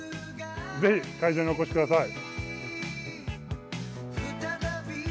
ぜひ会場にお越しください。